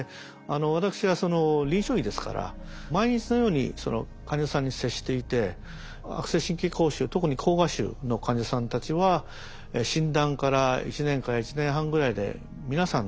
私は臨床医ですから毎日のように患者さんに接していて悪性神経膠腫特に膠芽腫の患者さんたちは診断から１年から１年半ぐらいで皆さん亡くなってしまう。